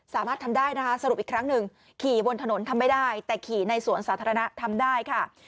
สามารถทำได้นะคะสรุปอีกครั้งหนึ่งขี่บนถนนทำไม่ได้แต่ขี่ในสวนสาธารณะทำได้ค่ะ